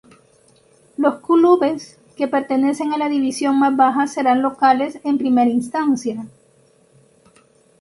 Los clubes que pertenecen a la división más baja serán locales en primera instancia.